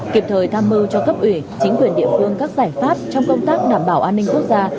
kịp thời tham mưu cho cấp ủy chính quyền địa phương các giải pháp trong công tác đảm bảo an ninh quốc gia